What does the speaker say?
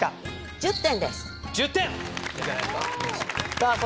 １０点。